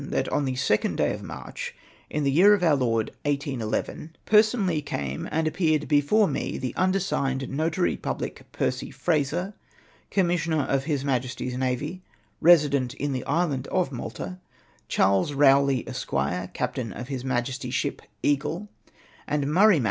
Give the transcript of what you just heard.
207 that on the 2n(l day of ]March, in the year of our Lord 1811, personally came and appeared before me the undersigned notary public Percy Fraser, commissioner of His Majesty's navy, resident in the island of Malta, Charles Eowley, Esq., captain of His Majesty's ship Eagle, and Murray Ma.